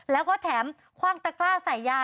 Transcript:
แล้วก็แถมคว่างตะกร้าใส่ยา